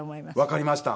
わかりました。